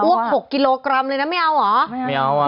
อ้วก๖กิโลกรัมเลยนะไม่เอาหรอ